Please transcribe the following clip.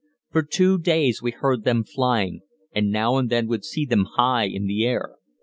For two days we had heard them flying, and now and then would see them high in the air.